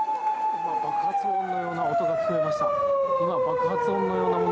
今、爆発音なような音が聞こえました。